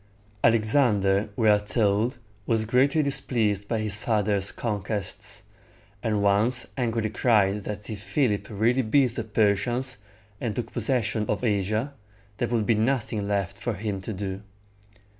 Alexander, we are told, was greatly displeased by his father's conquests, and once angrily cried that if Philip really beat the Persians, and took possession of Asia, there would be nothing left for him to do.